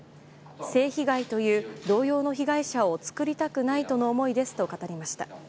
性被害という同様の被害者を作りたくないとの思いですと語りました。